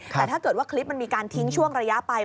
แต่ถ้าเกิดว่าคลิปมันมีการทิ้งช่วงระยะไป